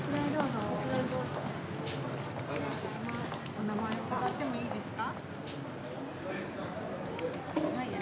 お名前伺ってもいいですか？